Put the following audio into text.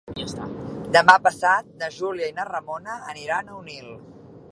Demà passat na Júlia i na Ramona aniran a Onil.